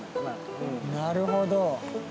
なるほど。